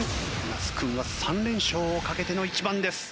那須君は３連勝をかけての一番です。